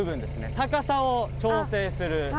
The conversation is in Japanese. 高さを調整する。